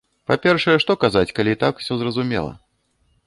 Па-першае, што казаць, калі і так усё зразумела?